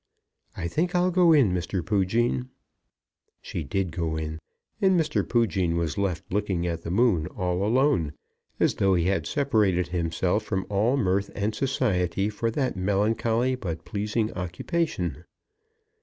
"I think I'll go in, Mr. Poojean." She did go in, and Mr. Poojean was left looking at the moon all alone, as though he had separated himself from all mirth and society for that melancholy but pleasing occupation.